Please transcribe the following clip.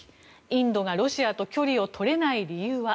インドがロシアと距離を取れない理由は。